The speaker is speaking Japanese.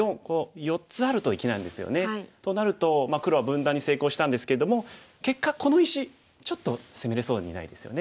となると黒は分断に成功したんですけれども結果この石ちょっと攻めれそうにないですよね。